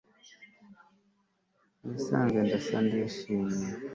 Mubisanzwe ndasa nishimye